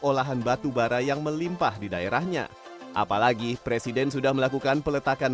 olahan batu bara yang melimpah di daerahnya apalagi presiden sudah melakukan peletakan